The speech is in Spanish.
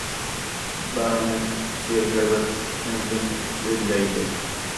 Baronet Sir Herbert Huntington-Whiteley.